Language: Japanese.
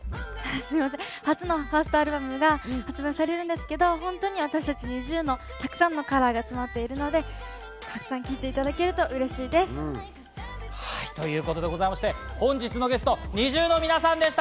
明日私たちの初のファーストアルバムが発売されるんですけど、私たちＮｉｚｉＵのたくさんのカラーが詰まっているのでたくさん聴いていただけるとうれしいです。ということで本日のゲスト、ＮｉｚｉＵの皆さんでした。